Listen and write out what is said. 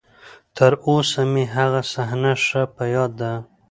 تر اوسه مې هغه صحنه ښه په ياد ده.